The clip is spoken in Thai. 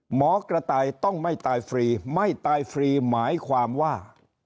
หมอกระต่ายต้องไม่ตายฟรีไม่ตายฟรีหมายความว่า